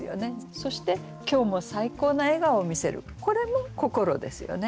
そして「今日も最高な笑顔を見せる」これも「心」ですよね。